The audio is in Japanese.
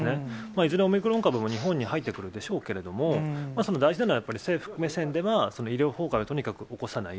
いずれオミクロン株も日本に入ってくるでしょうけれども、大事なのは政府目線では、医療崩壊を起こさない。